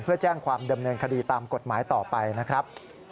เพื่อแจ้งความดำเนินคดีตามกฎหมายต่อไปนะครับ